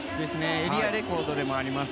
エリアレコードでもあります。